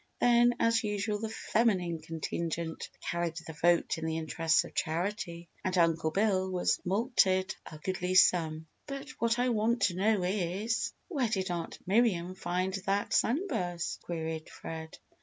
Then, as usual, the feminine contingent carried the vote in the interests of charity and Uncle Bill was mulcted a goodly sum. "But what I want to know is, 'Where did Aunt Miriam find that sunburst?'" queried Fred.